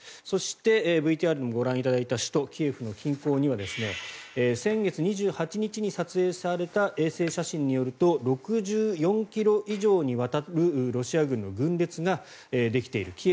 そしてＶＴＲでもご覧いただいた首都キエフの近郊には先月２８日に撮影された衛星写真によると６４ｋｍ以上にわたるロシア軍の軍列ができている。